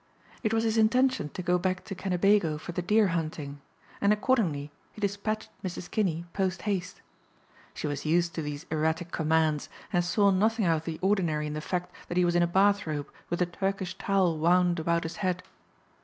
It was his intention to go back to Kennebago for the deer hunting and accordingly he despatched Mrs. Kinney post haste. She was used to these erratic commands and saw nothing out of the ordinary in the fact that he was in a bath robe with a turkish towel wound about his head.